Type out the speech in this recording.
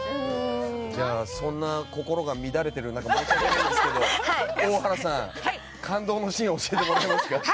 そんな心が乱れている中申し訳ないんですけど大原さん、感動のシーンを教えてもらえますか。